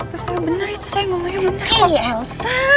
berserah bener itu sayang ngomongnya bener kok elsa